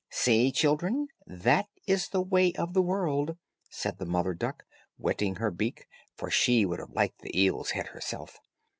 "See, children, that is the way of the world," said the mother duck, whetting her beak, for she would have liked the eel's head herself.